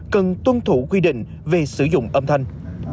cần tuân thủ quy định về sử dụng âm thanh